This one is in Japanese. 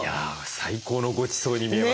最高のごちそうに見えます。